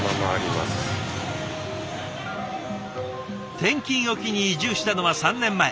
転勤を機に移住したのは３年前。